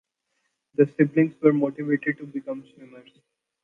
The siblings were motivated to become swimmers.